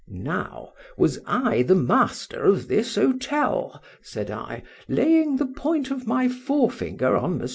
—Now was I the master of this hôtel, said I, laying the point of my fore finger on Mons.